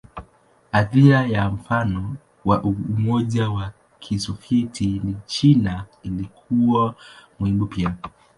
Athira ya mfano wa Umoja wa Kisovyeti na China ilikuwa muhimu pia.